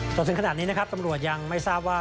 จนถึงขนาดนี้นะครับตำรวจยังไม่ทราบว่า